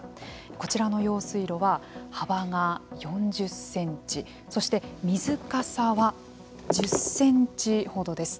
こちらの用水路は幅が４０センチそして水かさは１０センチ程です。